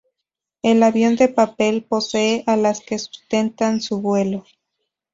El avión de papel posee alas que sustentan su vuelo.